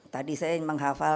tadi saya menghafal